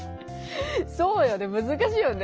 そうよねむずかしいよね。